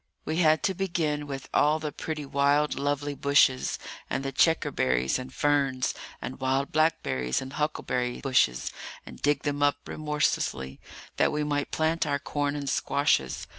we had to begin with all the pretty wild, lovely bushes, and the checkerberries and ferns and wild blackberries and huckleberry bushes, and dig them up remorselessly, that we might plant our corn and squashes.